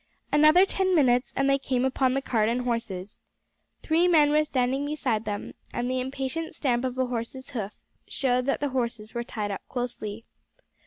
Another ten minutes and they came upon the cart and horses. Three men were standing beside them, and the impatient stamp of a horse's hoof showed that the horses were tied up closely.